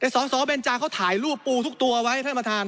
สสเบญจาก็ถ่ายรูปปูทุกตัวไว้